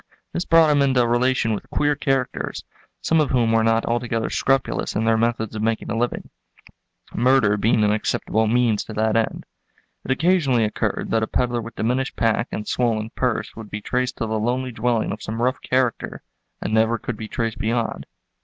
This brought him into relation with queer characters, some of whom were not altogether scrupulous in their methods of making a living, murder being an acceptable means to that end. It occasionally occurred that a peddler with diminished pack and swollen purse would be traced to the lonely dwelling of some rough character and never could be traced beyond.